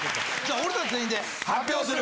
俺たち全員で発表する。